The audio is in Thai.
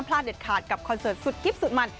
เด็ดขาดกับคอนเสิร์ตสุดกิ๊บสุดมัน